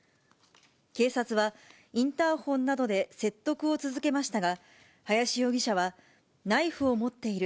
警察は、インターホンなどで説得を続けましたが、林容疑者はナイフを持っている。